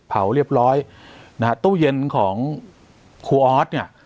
เผาเรียบร้อยนะฮะตู้เย็นของครูออสเนี่ย